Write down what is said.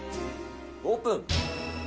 オープン。